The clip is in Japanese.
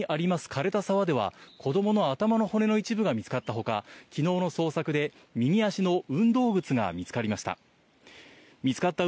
枯れた沢では子供の頭の骨の一部が見つかったほか、昨日の捜索で右足の運動靴が見つかりました。